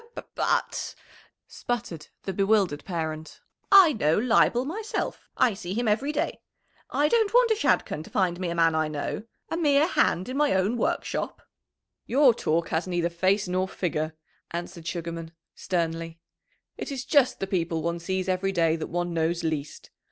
"B b b ut," sputtered the bewildered parent, "I know Leibel myself. I see him every day. I don't want a Shadchan to find me a man I know a mere hand in my own workshop!" "Your talk has neither face nor figure," answered Sugarman sternly. "It is just the people one sees every day that one knows least.